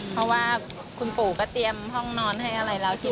เพราะว่าคุณปู่ก็เตรียมห้องนอนให้อะไรแล้ว